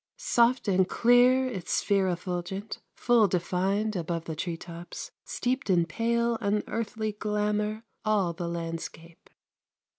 Soft and clear its sphere effulgent, Full defined above the treetops, Steeped in pale unearthly glamor All the landscape.